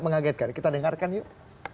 mengagetkan kita dengarkan yuk